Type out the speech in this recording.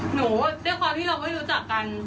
ด้วยความที่เราไม่รู้จักกัน